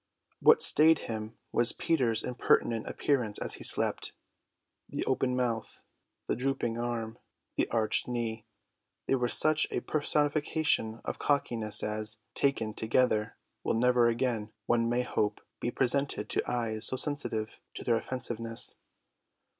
What stayed him was Peter's impertinent appearance as he slept. The open mouth, the drooping arm, the arched knee: they were such a personification of cockiness as, taken together, will never again, one may hope, be presented to eyes so sensitive to their offensiveness.